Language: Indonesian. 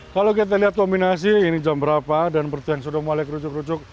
kalau kita lihat kombinasi ini jam berapa dan berarti yang sudah mulai kerucuk kerucuk